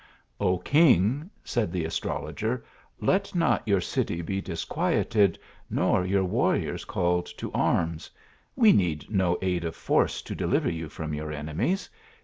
" O king," said the astrologer, " let not your city be disquieted, nor your warriors called to arms ; we need no aid of force to deliver you from your ene mies.